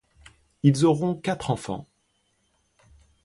Ils auront quatre enfants.